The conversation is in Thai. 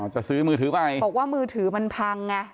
จะซื้อมือถือไปบอกว่ามือถือมันพังไง